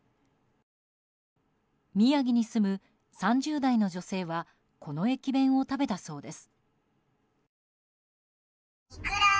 宮城に住む３０代の女性はこの駅弁を食べたそうです。